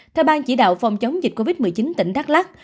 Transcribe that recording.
theo bang chỉ đạo phòng chống dịch covid một mươi chín tỉnh đắk lắc